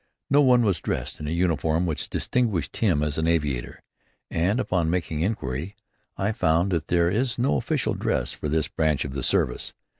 No one was dressed in a uniform which distinguished him as an aviator; and upon making inquiry, I found that there is no official dress for this branch of the service.